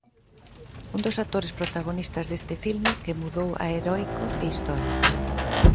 Un dos actores protagonistas deste filme, que mudou a heroico e histórico.